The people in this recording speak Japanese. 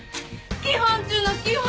基本中の基本！